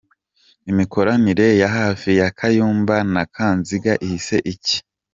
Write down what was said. Imikoranire ya hafi ya Kayumba na Kanziga ihishe iki?.